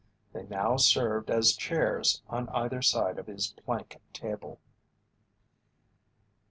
They now served as chairs on either side of his plank table.